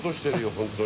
本当に。